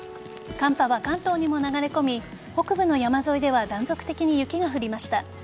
寒波は関東にも流れ込み北部の山沿いでは断続的に雪が降りました。